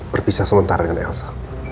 berpisah sementara dengan elsa